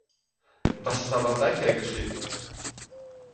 Was ist aber seither geschehen?